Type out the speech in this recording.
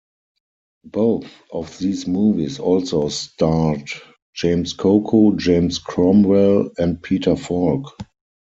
Both of these movies also starred James Coco, James Cromwell, and Peter Falk.